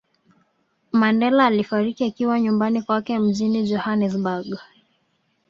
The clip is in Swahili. Mandela alifariki akiwa nyumbani kwake mjini Johanesburg